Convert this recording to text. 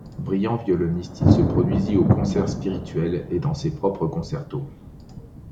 Brillant violoniste, il se produisit au Concert Spirituel et dans ses propres concertos.